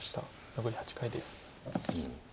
残り８回です。